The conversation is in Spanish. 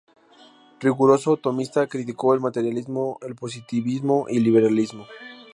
Riguroso tomista, criticó el materialismo, el positivismo y el liberalismo.